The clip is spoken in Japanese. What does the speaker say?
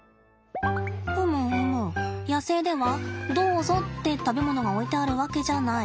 ふむふむ野生ではどうぞって食べ物が置いてあるわけじゃない。